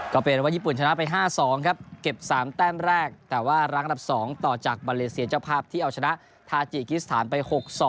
ก็เป็นว่าญี่ปุ่นชนะไป๕๒ครับเก็บ๓แต้มแรกแต่ว่ารั้งอันดับ๒ต่อจากมาเลเซียเจ้าภาพที่เอาชนะทาจิกิสถานไป๖๒